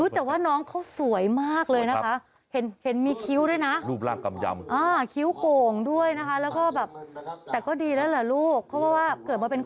แสดงว่าเดี๋ยวเขาจะพาไปหาเจ้าเบ่าอีกทีหนึ่ง